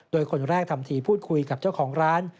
โดยคนแรกทำทีพูดคุยกับเจ้าของร้าน